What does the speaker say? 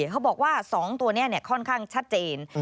เขาบอกว่า๒ตัวนี้ค่อนข้างชัดเจน